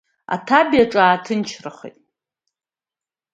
Аҭабиаҿы ааҭынчрахеит.